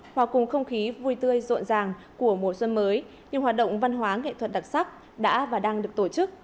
hòa cùng không khí vui tươi rộn ràng của mùa xuân mới nhiều hoạt động văn hóa nghệ thuật đặc sắc đã và đang được tổ chức